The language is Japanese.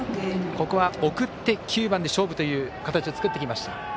ここは送って９番で勝負という形を作ってきました。